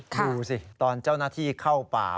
ดูสิตอนเจ้าหน้าที่เข้าป่า